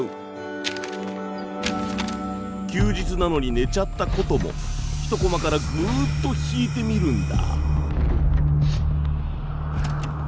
休日なのに寝ちゃったことも１コマからぐっと引いてみるんだ。